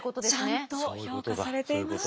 ちゃんと評価されていました。